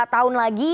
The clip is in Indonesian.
dua tahun lagi